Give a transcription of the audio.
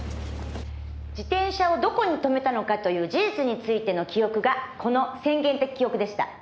「自転車をどこに止めたのかという事実についての記憶がこの宣言的記憶でした」